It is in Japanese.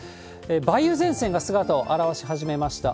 梅雨前線が姿を現し始めました。